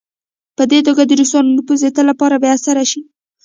په دې توګه د روسانو نفوذ د تل لپاره بې اثره شي.